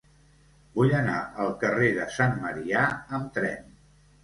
Vull anar al carrer de Sant Marià amb tren.